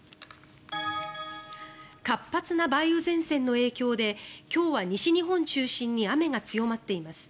活発な梅雨前線の影響で今日は西日本中心に雨が強まっています。